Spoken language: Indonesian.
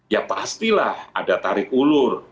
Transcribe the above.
ya pastilah ada tarik ulur